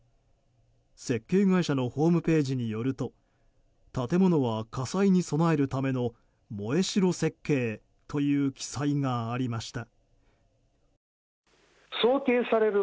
設計会社のホームページによると建物は火災に備えるための燃えしろ設計という記載がありました。